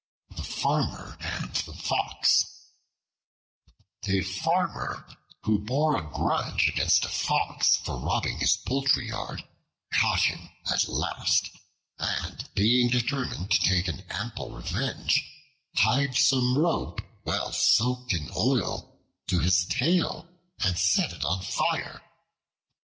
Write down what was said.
The Farmer and the Fox A FARMER, who bore a grudge against a Fox for robbing his poultry yard, caught him at last, and being determined to take an ample revenge, tied some rope well soaked in oil to his tail, and set it on fire.